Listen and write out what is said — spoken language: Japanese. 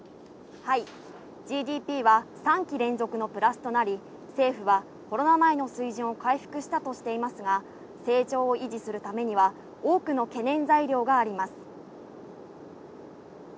ＧＤＰは３期連続のプラスとなり、政府はコロナ前の水準を回復したとしていますが、成長を維持するためには多くの懸念材料があります。